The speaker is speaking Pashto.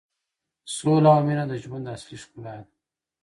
سوله او مینه د ژوند اصلي ښکلا ده.